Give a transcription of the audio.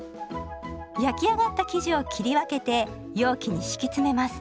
焼き上がった生地を切り分けて容器に敷き詰めます。